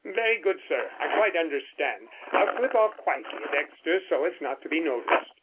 "Very good, sir; I quite understand. I'll slip off quietly at Exeter so as not to be noticed."